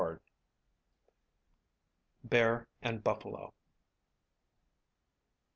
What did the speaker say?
BEAR AND BUFFALO.